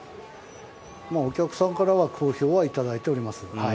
お客さんからは好評は頂いております。